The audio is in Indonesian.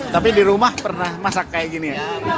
tapi di rumah pernah masak kayak gini ya